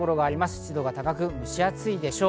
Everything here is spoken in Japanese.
湿度が高く蒸し暑いでしょう。